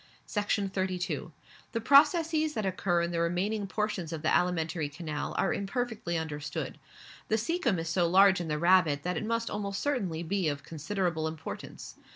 Section 32. The processes that occur in the remaining portions of the alimentary canal are imperfectly understood. The caecum is so large in the rabbit that it must almost certainly be of considerable importance.